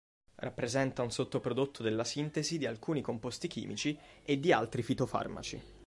Rappresenta un sottoprodotto della sintesi di alcuni composti chimici e di altri fitofarmaci.